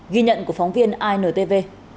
ghi nhận của phóng viên intv